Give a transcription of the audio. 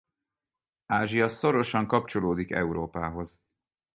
Ázsia szorosan kapcsolódik Európához.